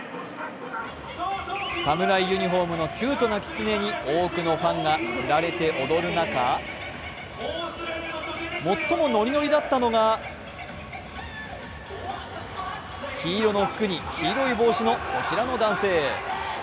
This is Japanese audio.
侍ユニフォームのキュートな狐に多くのファンがつられて踊る中、最もノリノリだったのが黄色の服に黄色い帽子のこちらの男性。